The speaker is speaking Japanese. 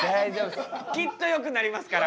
きっとよくなりますから。